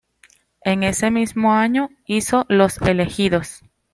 En ese mismo año hizo "Los elegidos".